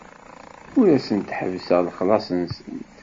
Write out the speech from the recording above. Ur asent-ḥebbseɣ lexlaṣ-nsent.